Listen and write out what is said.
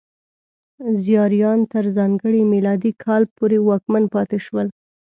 زیاریان تر ځانګړي میلادي کاله پورې واکمن پاتې شول.